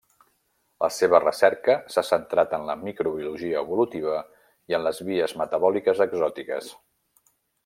La seva recerca s'ha centrat en la microbiologia evolutiva i en les vies metabòliques exòtiques.